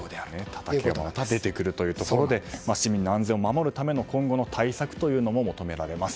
たたけばまた出てくるというところで市民の安全を守るための今後の対策も求められます。